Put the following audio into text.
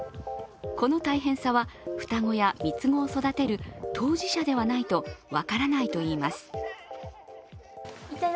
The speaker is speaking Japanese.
この大変さは、双子や３つ子を育てる当事者でないとと分からないといいます。